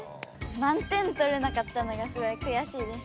満点とれなかったのがすごいくやしいです。